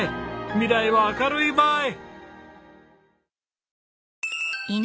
未来は明るいばい！